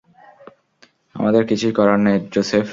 আমাদের কিছুই করার নেই, জোসেফ।